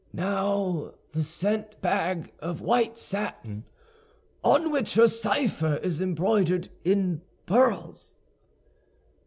"Now the scent bag of white satin, on which her cipher is embroidered in pearls."